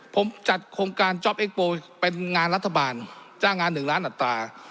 ผมจัดโครงการเป็นงานรัฐบาลจ้างงานหนึ่งล้านอัตรา